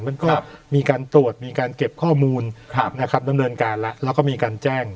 มันก็มีการตรวจการเก็บข้อมูลดำเนินการแล้วมีการแจ้ง